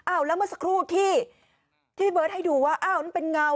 แล้วเมื่อสักครู่ที่เบิร์ตให้ดูว่าอ้าวนั่นเป็นเงา